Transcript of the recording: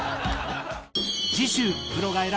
次週プロが選ぶ